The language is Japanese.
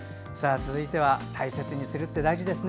続いては大切にするって大事ですね。